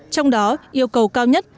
trong đó yêu cầu cao nhất